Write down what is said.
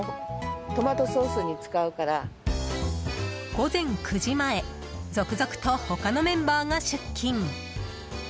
午前９時前続々と他のメンバーが出勤。